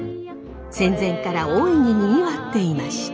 戦前から大いににぎわっていました。